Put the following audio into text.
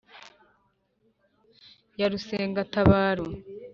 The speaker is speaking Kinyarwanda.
ya rusengatabaro